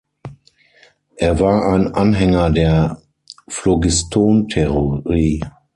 Er war ein Anhänger der Phlogistontheorie.